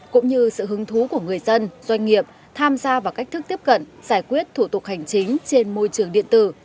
cũng như sự hứng thú của người dân doanh nghiệp tham gia vào cách thức tiếp cận giải quyết thủ tục hành chính trên môi trường điện tử